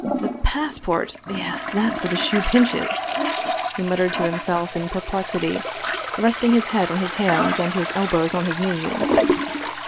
" The passport yes that's where the shoe pinches !" he muttered to him self in perplexity, resting his head on his hands and his elbows on his knees.